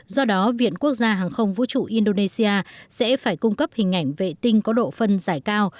do đó viện quốc gia hàng không vũ trụ indonesia sẽ phải cung cấp hình ảnh vệ tinh có độ phân giải cao